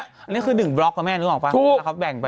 อันนี้คือหนึ่งบล็อกครับแม่รู้หรือเปล่า